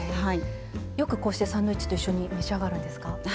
よくこうしてサンドイッチと一緒に召し上がるんですか？